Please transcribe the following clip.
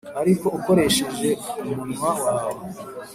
ariko ukoresheje umunwa wawe